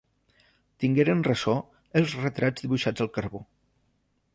Tingueren ressò els retrats dibuixats al carbó.